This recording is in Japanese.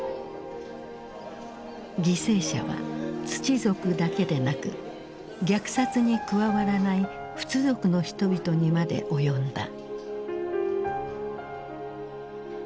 犠牲者はツチ族だけでなく虐殺に加わらないフツ族の人々にまで及んだ。